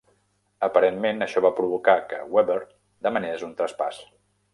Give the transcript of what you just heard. Aparentment, això va provocar que Webber demanés un traspàs.